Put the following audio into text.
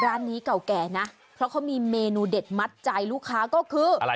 ร้านนี้เก่าแก่นะเพราะเขามีเมนูเด็ดมัดใจลูกค้าก็คืออะไร